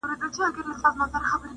رسنۍ تعلیم ته هم مرسته کوي